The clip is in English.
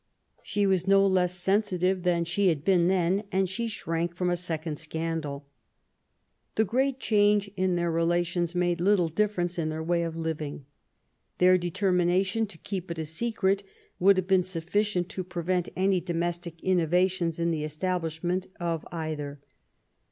She was no less sensitive than she had been then, and she shrank from a second scandal. The great change in their relations made little differ ence in their way of living. Their determination to keep it a secret would have been sufficient to prevent any domestic innovations in the establishment of either.